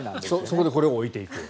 そこでこれを置いていく。